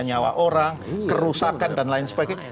nyawa orang kerusakan dan lain sebagainya